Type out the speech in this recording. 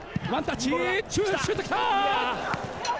シュートきた！